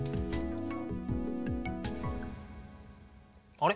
あれ？